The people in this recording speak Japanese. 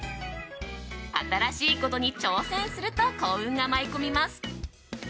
新しいことに挑戦すると幸運が舞い込みます。